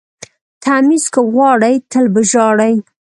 ـ تميز که غواړئ تل به ژاړئ.